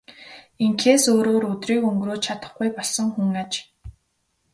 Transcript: Ингэхээс өөрөөр өдрийг өнгөрөөж чадахгүй болсон хүн аж.